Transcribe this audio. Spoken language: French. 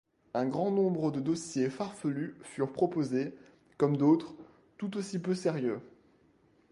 Un grand nombre de dossiers farfelus furent proposés, comme d'autres, tout aussi peu sérieux.